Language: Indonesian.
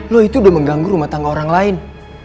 loh itu udah mengganggu rumah tangga orang lain